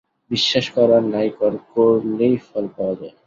বিশ্বাস কর আর নাই কর, করলেই ফল পাওয়া যায়।